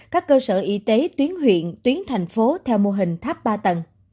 các cơ sở it tuyến huyện tuyến thành phố theo mô hình tháp ba tầng